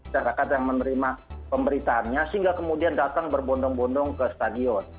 masyarakat yang menerima pemberitaannya sehingga kemudian datang berbondong bondong ke stadion